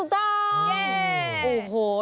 ถูกต้อง